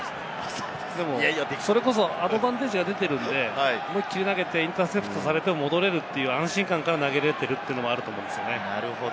アドバンテージが出てるんで、思いっきり投げてインターセプトされても戻れるという安心感から投げられてるというのもあると思いますね。